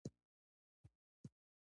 دوی د خلکو د ژوند ښهوالی د دوی فکر نه دی.